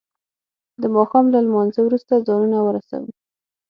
د ما ښام له لما نځه وروسته ځانونه ورسو.